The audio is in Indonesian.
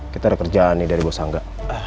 kita ada kerjaan nih dari bos angga